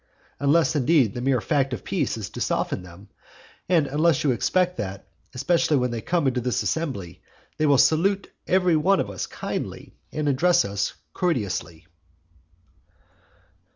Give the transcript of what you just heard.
Unless, indeed, the mere fact of peace is to soften them, and unless you expect that, especially when they come into this assembly, they will salute every one of us kindly, and address us courteously.